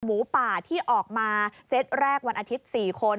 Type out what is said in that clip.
หมูป่าที่ออกมาเซตแรกวันอาทิตย์๔คน